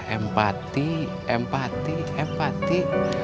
empati empati empati